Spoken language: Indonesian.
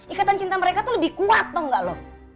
ikatan cinta mereka tuh lebih kuat tau gak loh